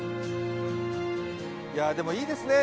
いやあでもいいですね。